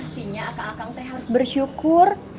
mestinya aka aka ute harus bersyukur